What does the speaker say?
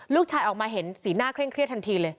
ลูกชายออกมาเห็นสีหน้าเคร่งเครียดทันทีเลย